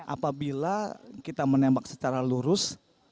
apabila kita menembak secara lurus